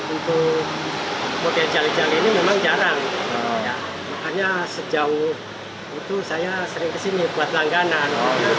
untuk jali jali memang jarang makanya sejauh itu saya sering kesini buat langganan